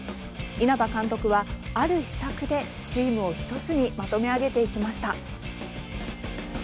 稲葉監督は、ある秘策でチームを１つにまとめ上げていきました。